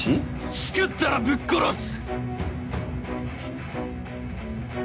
チクったらぶっ殺す！